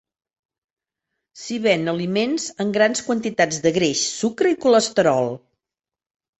S'hi ven aliments en grans quantitats de greix, sucre i colesterol.